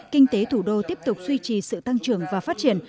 kinh tế thủ đô tiếp tục duy trì sự tăng trưởng và phát triển